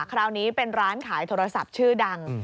คราวนี้เป็นร้านขายโทรศัพท์ชื่อดัง